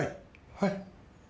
はい。